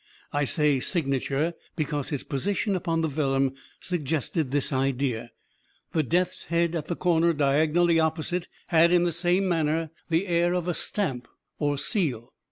I say signature, because, its position upon the vellum suggested this idea. The death's head at the corner diagonally opposite, had, in the same manner, the air of a stamp, or seal.